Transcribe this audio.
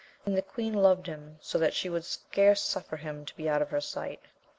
And the queen loved him so that she would scarce suffer him to be out of her sight.